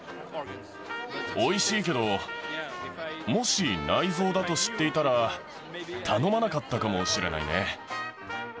おいしいけど、もし内臓だと知っていたら、頼まなかったかもしれないね。